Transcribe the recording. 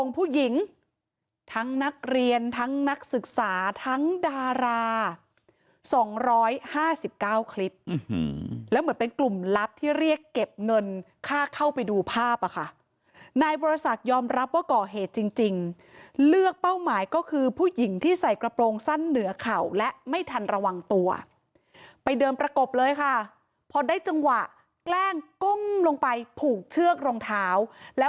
ผู้หญิงทั้งนักเรียนทั้งนักศึกษาทั้งดารา๒๕๙คลิปแล้วเหมือนเป็นกลุ่มลับที่เรียกเก็บเงินค่าเข้าไปดูภาพอ่ะค่ะนายบรสักยอมรับว่าก่อเหตุจริงเลือกเป้าหมายก็คือผู้หญิงที่ใส่กระโปรงสั้นเหนือเข่าและไม่ทันระวังตัวไปเดินประกบเลยค่ะพอได้จังหวะแกล้งก้มลงไปผูกเชือกรองเท้าแล้ว